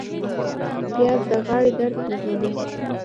پیاز د غاړې درد نرموي